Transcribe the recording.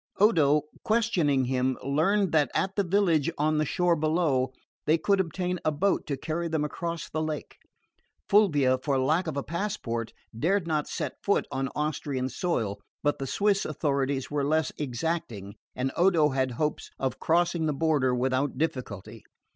Odo, questioning him, learned that at the village on the shore below they could obtain a boat to carry them across the lake. Fulvia, for lack of a passport, dared not set foot on Austrian soil; but the Swiss authorities were less exacting and Odo had hopes of crossing the border without difficulty.